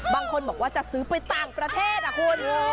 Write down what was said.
บางคนบอกว่าจะซื้อไปต่างประเทศอ่ะคุณ